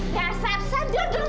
dasar saja dong